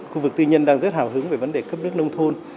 khu vực tư nhân đang rất hào hứng về vấn đề cấp nước nông thôn